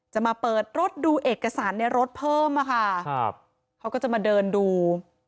จะมาเปิดรถดูเอกสารในรถเพิ่มอะค่ะครับเขาก็จะมาเดินดู